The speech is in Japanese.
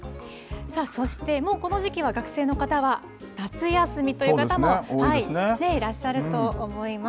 そして、もうこの時期は、学生の方は夏休みという方もいらっしゃると思います。